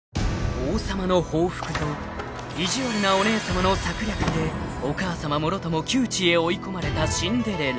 ［王様の報復と意地悪なお姉さまの策略でお母さまもろとも窮地へ追い込まれたシンデレラ］